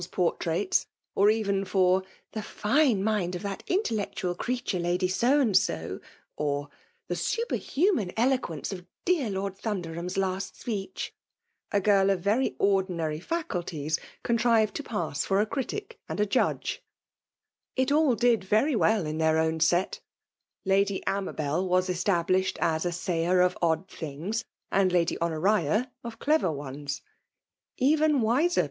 km*fl porttsits — dteves^tox ''tbe fifie i»ind «f ihmt i&telleetaal creatnre Lady So andHM^"— or ''the superhuman ddquenee of dear Loid Thtmdeniia*8 last speech/* — a girl of xwf <»*dinaiy faculties contiivod to pass lor a criitic and a jttdg& It aU did very well in their own set. lady Amabel was established as a sayer of odd things, and Lady Honoria of dew ones. Even wiser